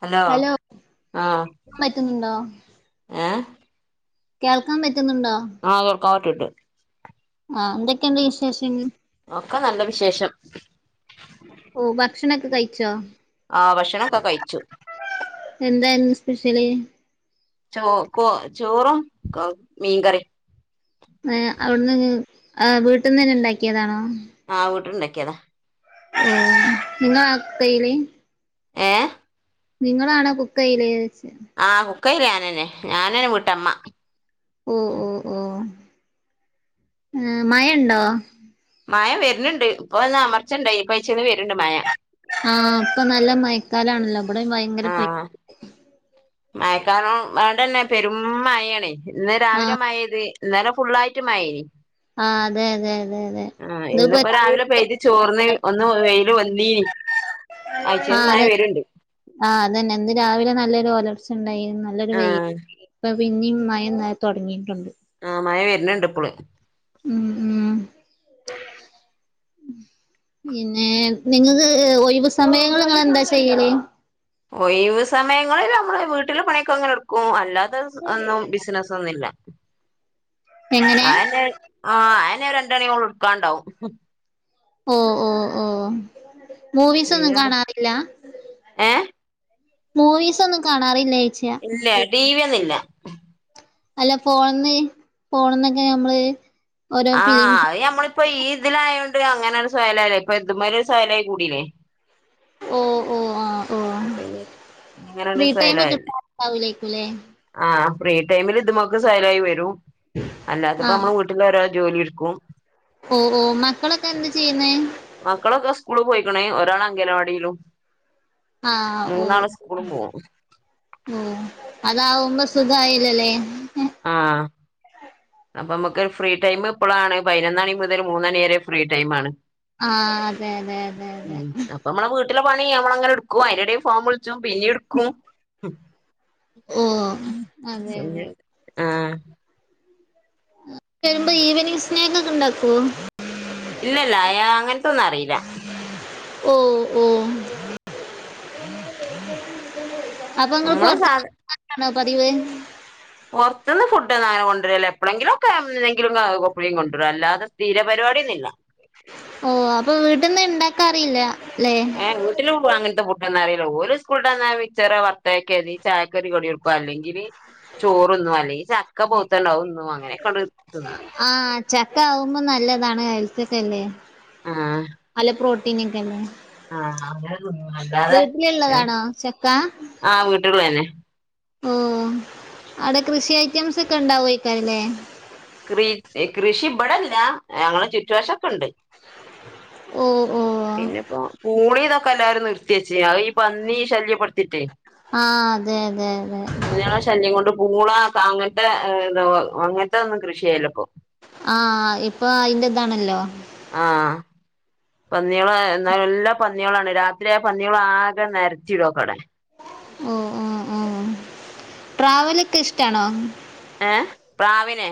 Hello ആഹ്. ഇണ്ടോ? ഏഹ്. കേൾക്കാൻ പറ്റുന്നുണ്ടോ? ആഹ് കേക്കണ്ട്. ആഹ് എന്തൊക്കെയുണ്ട് വിശേഷങ്ങ ഒക്കെ നല്ല വിശേഷം. ഫുഡ്‌ കഴിച്ചോ? ആ ഭക്ഷണം ഒക്കെ കഴിച്ചു. എന്തായിരുന്നു സ്പെഷ്യല് ചോ ചോറും ക്‌ മീൻകറി. എ അവിടുന്ന് വീട്ടിൽന്ന് തന്നെ ഉണ്ടാക്കിയതാണോ? ആഹ് വീട്ടിണ്ടാക്കിയതാ. ഓ ഇന്ന [unintelligible] ഏഹ്? നിങ്ങളാണോ കുക്കയ്യില്. കുക്കയ്യില് ഞാനന്നെ ഞാനന്നെ വീട്ടമ്മ. ഓ ഓ ഓ ഏ മയ ഇണ്ടോ? മയ വരുന്നുണ്ട് ഇപ്പന്ന് അമർച്ചുണ്ടായി ഇപ്പച്ചന്ന് വരുന്നുണ്ട് മയ. ആഹ് ഇപ്പോ നല്ല മയക്കാലാണല്ലോ അവിടെ ഭയങ്കര പ മഴക്കാല അവിടെന്നെ പെരും മഴയാണ് ഇന്ന് രാവിലെ ആഹ് മഴ പെയ്ത് അന്നേരം ഫുുള്ളായിട്ട് മയേനി. ആഹ് അതെ അതെെ. ആഹ് ഇന്നപ്പോ രാവിലെ പെയ്ത് ചോർന്ന് ഒന്ന് വെയില് പൊന്തി. ആഹ് അതന്നെ ആഹ് അതന്നെ ഇന്ന് രാവിലെ നല്ലൊരു ഓല ചുണ്ടായി നല്ലൊരു വെയി ആഹ് ഇപ്പോ പിന്നേം മയ ഇന്നല തുടങ്ങിയിട്ടുണ്ട്. ആഹ് മഴ വരുന്നിണ്ട് ഇപ്പള്. ഉം ഉം. ഉം പിന്നെ നിങ്ങക്ക് ഏഹ് ഒഴിവ് സമയങ്ങള് നിങ്ങള് എന്താ ചെയ്യല്? ഒയിവ് സമയങ്ങളിൽ നമ്മള് വീട്ടിലെ പണിയൊക്കെ അങ്ങനെ എടുക്കും അല്ലാത് ഒന്നും ബിസിനസ്സൊന്നില്ല. എങ്ങനെ ആഹനെ ആഹ് അഹനെ രണ്ടണിഓളം ട്ക്കാണ്ടാവും ഓഹ് ഹ് ഹ് മൂവിസ് ഒന്നും പിന്നെ കാണാറില്ല ഏഹ് മൂവീസ് ഒന്നും കാണാറില്ല ഇല്ല ടി വി ഒന്നുല്ല അല്ല ഫോണ്ന്ന് ഫോണ്ന്നൊക്കെ നമ്മള് ഓരോ ആഹ് ഫിലിംസ് അത് ഞമ്മള് ഇപ്പൊ ഈ ഇതിലായോണ്ട് അങ്ങനെ ഒരു സ്വയ്ല് അല്ലേ ഇപ്പൊ ഇതുമാരു സ്വയലായി കൂടില്ലേ ഓ ഓ ആഹ് ഓ അപ്പോ പിന്നെ ഇങ്ങനെള്ള ഫ്രീ ഒരു ടൈം സൊയലായ്ല്ല കിട്ടാണ്ടാവൂലേക്കുല്ലേ ആഹ് ഫ്രീ ടൈമില് ഇത് മ്മക്ക് സൊയിലായി വരും അല്ലാത്തപ്പോ നമ്മള് വീട്ടിലാരോ- ജോലി ട്ക്കും ഉം ഉം മക്കളൊക്കെ എന്ത് ചെയ്യുന്ന് ണെ ഒരാള് അങ്കനവാടിയിലും ആഹ് മൂന്നാള് സ്കൂളും പോകും ഓഹ് അതാവുമ്പോ സുഖായില്ലല്ലേ ആഹ് അപ്പൊ നമുക്ക് ഫ്രീ ടൈം ഇപ്പോളാണ് പതിനൊന്നണി മുതൽ മൂന്നണി വരെ ഫ്രീ ടൈമ് ആണ് ആഹ് അതെ അതെ അതെ അതെ വീട്ടിലുള്ള പണി നമ്മള അങ്ങനെ ട്ക്കും അതിനടീ ഫോൺ വിള്ച്ചും പിന്നിട്ക്കും ഓ അതെ അതെ [unintelligible] വരുമ്പോ ഈവനിങ് സ്നേക്ക് ഒക്കെ ഉണ്ടാക്കോ ഇല്ലല്ല അയാ അങ്ങനത്തൊന്നും അറിയില്ല ഓഹ് ഓഹ് അപ്പൊ നിങ്ങ നമ്മള് സാധ പുറത്ത്ന്ന് വാങ്ങലാണോ പറതിവ് പുറത്തുന്ന് ഫുഡന്നങ്ങനെ കൊണ്ടരിലില്ല എപ്പളെങ്കിലും ഒക്കെ എന്ന്നെങ്കിലും വാങ്ങും പ്പളേം കൊണ്ടുവരു അല്ലാതെ സ്ഥീരപരിപാടിയൊന്നില്ല ഓ അപ്പൊ വീട്ടിൽന്ന് ഉണ്ടാക്കാറില്ല അല്ലെ ഏഹ് വീട്ടിലും ഉണ്ടോ അങ്ങനത്തെ ഫുഡ്‌ ന്ന അറിയില്ല ഓര് സ്കൂൾട്ടന്നാ മിച്ചറോ വർത്തയ്ക്കെ അല്ലെങ്കി ചായക്കരു കടി കൊട്ക്കും അല്ലെങ്കി ല്ലങ്കി ചോറ്ന്നും അല്ലെങ്കിൽ ചക്ക പോത്തൊണ്ടാവും ഒന്നും അങ്ങനെ കണ്ട് ച്ചക്ക ആവുമ്പോ നല്ലതാണ് ഹെൽത്തൊക്കെല്ലേ ആഹ് നല്ല പ്രോട്ടീനൊക്കെല്ലേ ആഹ് അങ്ങനെ തിന്നും അല്ലാതെ ഏഹ് വീട്ടിലുള്ളതാണോ ചക്ക ആ വീട്ടുള്ള തന്നെ ഓ അവ്ടെ കൃഷി ഐറ്റംസ് ഒക്കെ ഉണ്ടാവോയിക്കാരല്ലേ കൃ കൃഷി ഇബഡല്ല ഞങ്ങടെ ചുറ്റുവശക്ണ്ട് ഓ ഓ പിന്നെപ്പോ പൂളി തൊക്കെ എല്ലാരും നിർ ത്തിച്ചി അത് ഈ പന്നി ശല്യപ്പെടുത്തിട്ടെ ആഹ് അതെ അതെ അതെ ശല്യം കൊണ്ട് പൂള ക അങ്ങനത്തെ ഏഹ് ഇതോ അങ്ങനത്തെ ഒന്നും കൃഷി ചെയ്യല്ല ഇപ്പൊ ആഹ് ഇപ്പൊ അയ്ന്റെ ഇതാണല്ലോ ആഹ് പന്നികള് ന്നാല്ല എല്ലാ പന്നികളാണ് രാത്രി ആ പന്നികള് ആകെ നര്ത്തിടു ആക്കാടെ ഓഹ് ഓഹ് ഓഹ് ട്രാവലൊക്കെ ഇഷ്ടാണോ ഏഹ് പ്രാവിനെ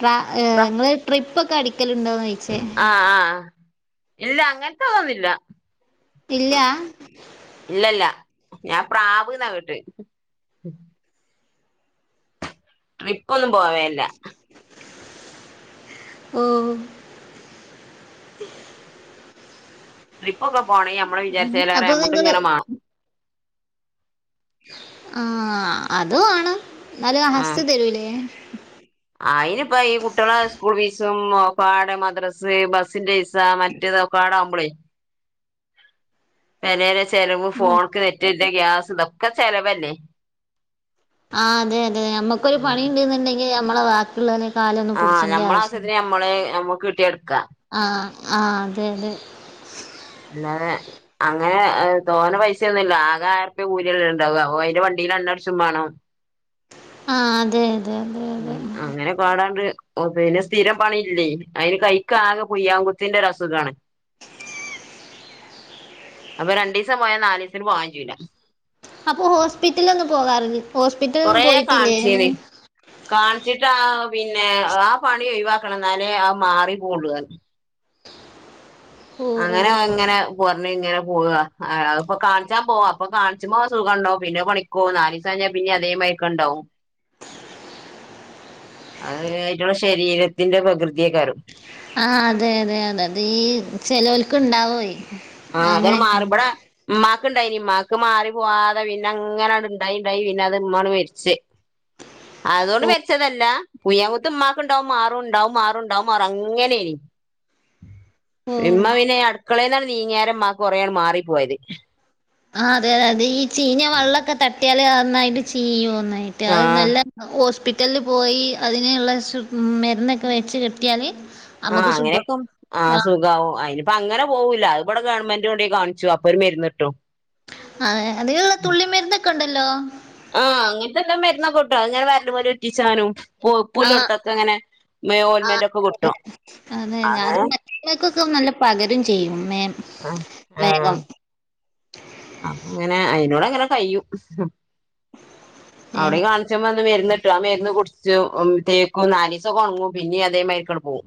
ട്രാ ഏഹ് പ്ര നിങ്ങള് ട്രിപ്പൊക്കടിക്കലുണ്ടോന്നൊയ്ക്ക ആഹ് ആഹ് ഇല്ല അങ്ങനത്തെ തോന്നില്ല ഇല്യാ ഇല്ലല്ല ഞാൻ പ്രാവ്ന്ന കേട്ടെ ട്രിപ്പ്‌ ഒന്നും പോവേല്ല ഓഹ് ട്രിപ്പ് ഒക്കെ പോവണെങ്കി നമ്മള് അപ്പൊ വിചാരിചീല്ലാറെമൗണ്ട് നിങ്ങള് ങ്ങനെ മാണം ആഹ അത ആണ് എന്നാലും ആഹ് അസ് തരൂലേ ഓ കാ ആട് മദ്രസ് ബസ്സിന്റെ ഇസ മറ്റേത കാെ ആട ആവുമ്പോളേ പെരേലെ ചെലവും ഉം. ഫോണക്ക് നെറ്റ് കേറ്റ്ണ് ഗ്യാസ് ഇതൊക്കെ ചെലവല്ലേ? ആ അതെ അതെ നമ്മക്കൊരു ഉം പണി ണ്ട് ന്ണ്ടെങ്കി നമ്മള് ബാക്കി ള്ളോലെ. കാലൊന്നും ആഹ് പുട്ച്ചണ്ടീ ഞമ്മളെ ആവശ്യ ഇല്യ ആവശ്യത്തിന് ഞമ്മള് ഞമ്മക്ക് കിട്ടിയ എടുക്കാ ആഹ. ആ അതെ അതെ. അല്ലാതെ അങ്ങനെ തോനെ പൈസ ഒന്നുല്ല ആകെ ആയിരുർപ്പ്യ കൂലി അല്ലെ ഉണ്ടാവ അപ്പൊഅയിന്റെ വണ്ടി എണ്ണ ട്‌ച്ചും മാണം. ആഹ അതെ. അതെ അതെ മ് അതെ അങ്ങനെ പാടാണ്ട്. ഓ പൈല് സ്ഥിരം പണിലൈ അയിന് കൈക്ക് ആകെ പുയ്യാങ്കുത്തിന്റെ ഒര് അസുഖാണ്. അപ്പൊ രണ്ടീസം പോയാ നാ ലിസ്തിന് പോവാൻ കജൂല. അപ്പൊ ഹോസ്പിറ്റലെ ഒന്നു പോകാറ കൊറേകാണിചീന് കാണിച്ചിട്ട് ആ പിന്നെ ആ പണി ഒഴിവാക്കണം എന്നാലേ ആ മാറി പോവുള്ളൂ ന്നർഞ്ഞ്. ഓ ഓ അങ്ങനെ ഓ ഇങ്ങനെ പർ ഇങ്ങനെ പോവ അഹ്പ്പ കാണിച്ചാൻ പോവാ അപ്പൊ കാണിച്ചുമ്പോ സുഖംണ്ടാവും പിന്നെ പണിക്കോ നാലീസം കൈഞ്ഞാ പിന്നെ അതേമാരി ക്കണ്ടാവും. [unintelligible] അ ശരീരത്തിന്റെ പ്രകൃതിയെക്കരം. ആ അതെ അതെ അതെ അത ഈ ചെലോൽക്ക് ഇണ്ടാവേയ്. ആഹ അതാണ് മാറി ഇപടെ ഇമ്മാ ഇണ്ടായിനി ഇമമാക്ക് മാറി പോവാതെ പിന്നെ അങ്ങനെ ഇണ്ടായി ഉണ്ടായി പിന്നെ അത് ഉമമാണ്ട് മെരിച്. അതോണ്ട് ഓ മരിച്ചതല്ല പുയാകുത്ത് ഉമ്മാക്കുണ്ടാവും മാറും ഉണ്ടാവും മാറുംണ്ടാവും ഒറങ്ങനേയ്ന്ന്. [unintelligible] ഓ ഇമ്മ പിന്നെ അട് കളേയ്ന്നാണ്ട് നീങ്ങ്യാരെ മ്മാക്ക് കൊറേ മാറിപ്പോയത്. ആ അതെ അതെ അതെ ഈ ചീഞ്ഞ വെള്ളക്കെ തട്ട്യാല് ന്നായിട്ട് ചീയുന്ന്. ട്ട് ആ അത് നല്ലോസ് പി റ്റലില് പോയി അതിനെയുള്ള സു മരുന്നൊക്കെ വെച്ച് കെട്ടിയാല്. ആ നമുക്ക് സുഖം അങ്ങനെയൊക്കെ ആ സുഖാവോ ആയിനു. പ്പ അങ്ങനെ പോവൂല അ ഇവിടെ ഗവൺമെന്റ എവടേ കാണിച്ചും അപൊര് മരുന്ന്ട്ടും. ആ അതിനുള്ള തുള്ളി മരുന്നൊക്കെ ഉണ്ടല്ലോ. ആ അങ്ങനത്തെ എല്ലാ മെന്ന്ക്ട്ടോ അത്ങ്ങനെ വരല് ഉറ്റിച്ചാ പൊവ്പ്പു ആ ളോട്‌ത്തക്കഅങ്ങനെ ഓൽ മെറ്റൊക്കെ കിട്ടും. അതെയതെ അത് അങ്ങനെ മറ്റൾക്കൊക്കെ നല്ല പകരും മ്മേ ആഹ് ആഹ് വേഗം. അങ്ങനെ അയിനോട് അങ്ങനെ യ്യുംഅവ്‌ടിം ഏ കാണിച്ച മെര്ന്ന്ട്ടും ആ മെര്ന്ന് കുടിച്ചു തേക്കും നാലീസൊകെ ഒണങ്ങും പിന്നീം അതേ മരി കൊക്കെ പോവും.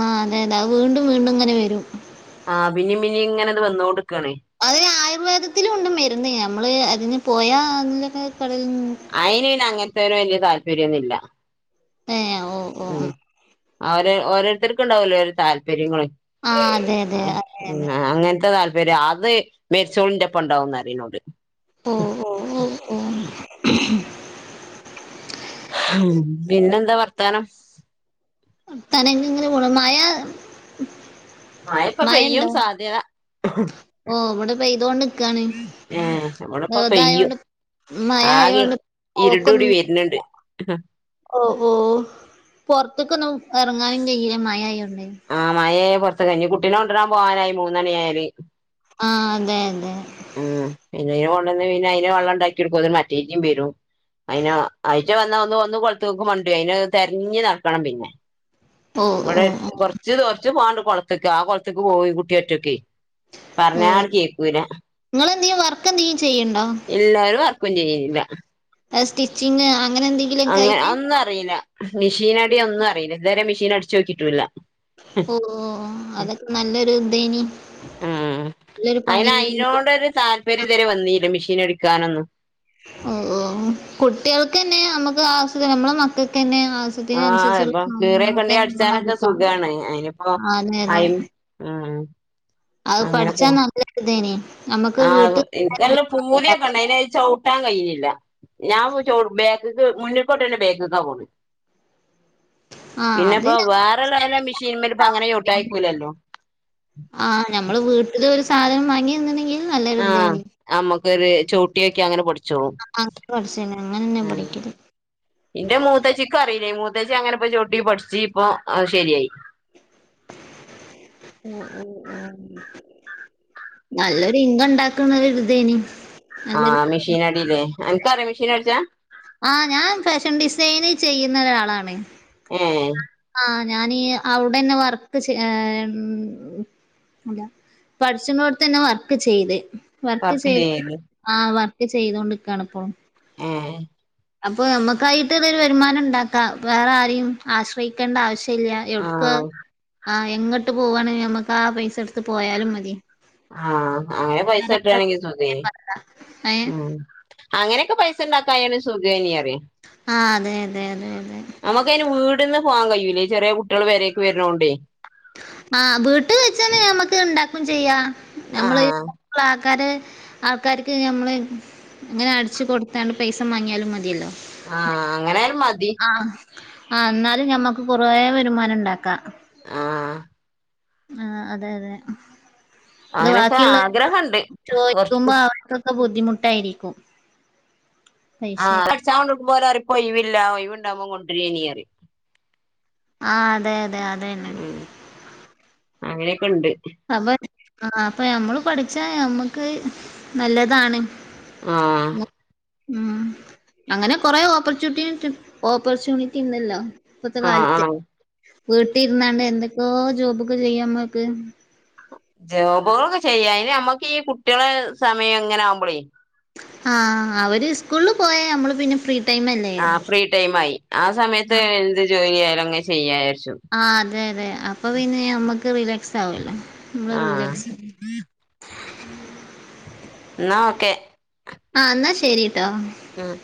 ആ അതെ അതെ അ വീണ്ടും വീണ്ടും അങ്ങനെ വരും. ആ പിന്നി പിന്നീം ഇങ്ങനെ ഇത് വന്നോണ്ട് ക്കാണേ അത ആയുർവേദത്തിലു ഉണ്ട് മരുന്ന് നമ്മള് അതിന് പോയാ അതിനൊര് അയിന് ഇന് അങ്ങൻത്തെ ഒരു വലിയ താല്പര്യൊന്നില്ല ഏ ഓ ഓ ഉം ഓര് ഓരോരുത്തർക്കുണ്ടാവല്ലോ ഓരോ താല്പര്യങ്ങള്. ആ അതെ ആ അതെ അതെ അതെ അങ്ങനത്തെ ത ര് അത് മെരിച്ചോളന്റെ പൊണ്ടാവുന്ന് അറിപ്പന്നോട്. ഓ ഓ ഓ ഓ [inaudible] ഹ് പിന്നെന്താ വർത്താനം. തലെ ഇങ്ങനെ ഗുണമായ യപ്പൊ പ്പെയ്യും സാധ്യത. പെയ്തൊണ്ട് ഇക്കാണ് ഏ ഇവിടെപ്പ പെയ്യും തായോണ്ട് ആകെ മയആയോണ്ട് ഇരുടൂടി പോക്കൊന്നു [inaudible] വരുന്നുണ്ട് ഓ ഓ പൊറത്തേക്ക് ഒന്ന എറങ്ങാനു കഴില്ല മഴ ആഴോണ്ട് ആ മയെ പൊറത്ത് കഴിഞ്ഞ് ഇഞ്ഞി കുട്ടിനെ കൊണ്ടരാൻ പോവാനായി മൂന്നണി ആയാല് ആ അതെ അതെ ഉം പിന്നെ അയ്നെ കൊണ്ടന്ന് പിന്നെ അയ്ന് വെള്ളം ഉണ്ടാക്കി കൊടുക്കുമ്പത്തിന് മറ്റേറ്റി വരും അയിന ആയിറ്റ വന്ന ഒന്ന് ഒന്ന് കൊളത്ത്ങ്ങക്ക് മണ്ടു അയിന് തെരഞ്ഞ് നടക്ക ഓ ഓ ഇവടെ ഓ കൊറച്ച് കൊറച്ച് പോവാണ്ട് കൊളത്ത്ക്ക് ആ കൊക്ക് പോവു ഈ കുട്ടിയൊറ്റക്ക് ഓ പറഞാണ് കേക്കൂല നിങ്ങളെന്തെങ്കിലും വർക്ക് എന്തെങ്കിലും ചെയ്യണ്ടോ എല്ലാരും അ [unintelligible] സ്റ്റിച്ചിങ് അങ്ങനെ എന്തെങ്കിലുമൊക്കെ അങ്ങനെ ആയിട്ട് ഒന്നും അറിയില്ല മിഷീനടി ഒന്നും അറിയില്ല ഇതുവരെ മിഷീ ഷീൻ അടിച്ച് നോക്കിയിട്ടൂല്ല ഓ അതൊക്കെ നല്ലൊരു ഇതേനി ഉം നല്ലൊരു പണി അയിന് അയ്നോടൊരു താല്പര്യം തരെ വന്നീല്ല മെഷീൻ അടിക്കാനൊന്നും കുട്ടികൾക്കന്നെ നമ്മുക്ക് ആവശ നമ്മളെ മക്കൾക്കന്നെ ആവശ്യത്തിന് ആഹ് അനുസരിച്ചുള്ള ഇപ്പൊ കീറിയ സാധനങ്ങളൊക്കെ കൊണ്ടേ അടിച്ചാനൊക്കെ മ്മക്കടിക്കാം സുഖാണ് അയിനിപ്പോ ആ അതെ അതെ അയി ഉം അത് പഠിച്ചാ നല്ലരുതേനിം ആവൊ എനിക്കല്ല പൂതിയൊക്കെ ഉണ്ടാക്കാന്. ഉണ്ടയ്നി അയിന് ചവിട്ടാ കഴിയിണില്ല ഞാൻ ചവ് ബേക്ക്ക്ക് മുന്നിക്ക് ചവ്ട്ടോന്നെ ബേക്ക്ക്കാ പോണ് ആ അത് പിന്നെപ്പ ഞമ്മ- വേറെള്ളാല മെഷീൻമല് പ്പ അങ്ങനെ ചവ്ട്ടായ്ക്കൂലല്ലോ ആഹ് ഞമ്മള് വീട്ടില് ഒരു സാധനം വാങ്ങി നിന്നണ്ടെങ്കിൽ നല്ലൊരു ഇതായിന് [unintelligible] ചവിട്ടോക്ക അങ്ങനെ പഠി ച്ചോ അങ്ങനെ പഠിച്ചേനെ അങ്ങനെ തന്നെ ഏ പഠിക്കല് ഇന്റെ മൂത്തച്ചിക്കറി മൂത്തച്ചി അങ്ങനെപ്പ ചോട്ടി പഠിച്ചു ഇപ്പൊ ശരിയായി ഓ ഓ ഓ നല്ലൊരു ഇൻകം ഇണ്ടാക്കുന്ന ഒരു ഇതേനിം ആഹ് മെഷീൻ അടില്ലേ. അനക്കറിയോ മെഷീൻ അടിച്ചാൻ? ആഹ് ഞാൻ ഫാഷൻ ഡിസൈനി ചെയ്യുന്ന ഒരാളാണ് ഏഹ് ആ ഞാനീ അവിടെന്നെ വർക്ക് ചെ ഏ എം അല്ല പഠിച്ച്ന്നടുത്തന്നെ വർക്ക് ചെയ്ത് വർക്ക് ചെയ്ത് ആ വർക്ക് ചെയ്തോണ്ടിക്കയാണ്പ്പളും ഏഹ് അപ്പൊ നമ്മക്കായിട്ട് ഇതരു വരുമാനം ഉണ്ടാക്കാം വേറെ ആരെയും ആശ്രയിക്കേണ്ട ആവശ്യ ട്ടില്ല എവിട്ക്ക് ആഹ് ആ എങ്ങട്ട് പോവാണലും നമ്മക്ക് ആ പൈസ എടുത്ത് പോയാലും മതി ആഹ് അങ്ങനെ പൈസ വേറെ കിട്ടാണെങ്കി സുഖേയ്ന് ആരോടും ഏ ഉം അങ്ങനെയൊക്കെ പൈസ ഉണ്ടാക്കായാണ് സുഖേയ്നിം ആ അതെ അതെ അതെ അതെ നമക്കയിന് വീട്ന്ന് പോവാൻ കഴിയൂല്ലേ ചെറിയ കുട്ടികള് പെരേക്ക് വരണോണ്ടേ ആഹ് വീട്ട് വെച്ചന്ന ഞമ്മക്ക് ഇണ്ടാക്കു ചെയ്യാ നമ്മള് ആഹ് ള്ള ആൾക്കാര് ആൾക്കാർക്ക് ഞമ്മള് ഇങ്ങനെ അടിച്ച് കൊടുത്തണ്ട് പൈസ മാങ്ങിയാലും മതിയല്ലോ ആഹ് അങ്ങനെയാലും മതി ആ ഇന്നാലും ഞമ്മക്ക് കുറേ വരുമാനം ഉണ്ടാക്കാം ആഹ് ആ അതെ അതെ ഇത് അങ്ങനൊക്കെ ബാക്കിയുള്ള ആഗ്രഹണ്ട് കൊറച്ച് ചോദിക്കുമ്പോ അവർക്കെന്തോ ബുദ്ധിമു ദ്ധിമുട്ടായിരിക്കും ആ പ്പ അട്ച്ചാ കൊണ്ട് കൊടുക്കുമ്പോ ഓലറിം ഇപ്പൊയിവില്ല ഒഴിവ്ണ്ടാകുമ്പ കൊണ്ടരേനിം അറിം ആഹ് അതെ അതെ അതെന്നെ അങ്ങനെയൊക്കെ ഇണ്ട് അപ്പൊ ആ അപ്പൊ ഞമ്മള് പഠിച്ചാ മ്മക്ക് നല്ലതാണ് ആഹ് ഉം അങ്ങനെ കൊറെ ഓപ്പർച്യൂണിറ്റിസ് ഓപ്പർച്യൂണിറ്റി ഇണ്ടല്ലോ ആ ആ വീട്ട് ഇര്ന്നാണ്ട് എന്തെക്കോ ജോബക്കെ ചെയ്യാ മുക്ക്. ജോബുകളൊക്കെ ചെയ്യാം അയ്ന് നമ്മക്ക് ഈ കുട്ടികള സമയം എങ്ങനെ ആവുമ്പളേ ആ അവര് സ്കൂളിൽ പോയ നമ്മള് പിന്നെ ഫ്രീ ടൈം അല്ലേ ആ ഫ്രീ ടൈം ആയി ആ സമയത്ത് എന്ത് ജോലി ആയാലും അങ്ങെ ചെയ്യായിര് ആ അതെ അതെ. അപ്പൊ പിന്നെ ഞമ്മക്ക് റിലാക്സ് ആവാല്ലോ ആഹ് [unintelligible] എന്നാ ഓക്കെ. ആഹ് എന്നാ ശെരിട്ടോ. ഉം